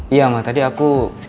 iya ma tadi aku